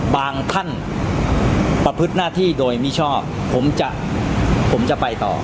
บางท่านประพฤติหน้าที่โดยมิชอบผมจะผมจะไปต่อ